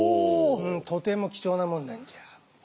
とても貴重なものなんじゃ。